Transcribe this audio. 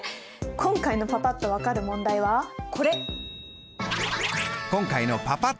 今回のパパっと分かる問題はこれ。